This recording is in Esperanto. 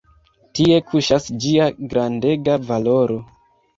Tie kuŝas ĝia grandega valoro.